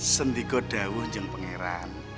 sendiko dawah jeng pengeran